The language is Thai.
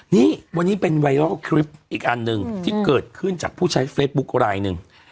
นี่วันนี้เป็นไวรัลคลิปอีกอันหนึ่งที่เกิดขึ้นจากผู้ใช้เฟซบุ๊คลายหนึ่ง